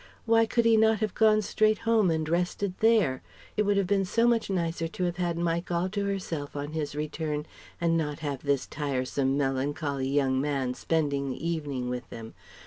Why could he not have gone straight home and rested there? It would have been so much nicer to have had Mike all to herself on his return, and not have this tiresome, melancholy young man spending the evening with them